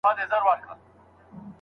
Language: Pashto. انتيک پلورونکي ساعت خوښ کړی و.